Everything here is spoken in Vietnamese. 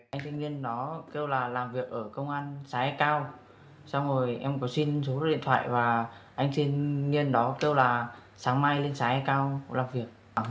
anh sinh niên đó kêu là làm việc ở công an xã ia cao xong rồi em có xin số điện thoại và anh sinh niên đó kêu là sáng mai lên xã ia cao làm việc